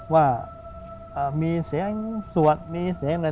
ว่ามีเสียงสวดมีเสียงอะไร